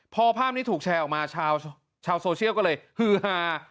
พอภาพนี้ถูกแชร์ออกมาชาวโซเชียลก็เลยฮือฮา